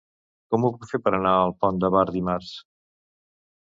Com ho puc fer per anar al Pont de Bar dimarts?